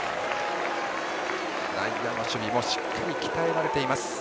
内野の守備もしっかり鍛えられています。